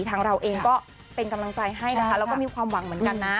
ทางเราเองก็เป็นกำลังใจให้นะคะแล้วก็มีความหวังเหมือนกันนะ